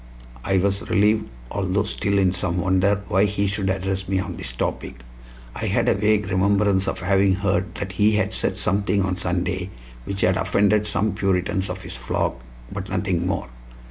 I was relieved, although still in some wonder why he should address me on this topic. I had a vague remembrance of having heard that he had said something on Sunday which had offended some Puritans of his flock, but nothing more.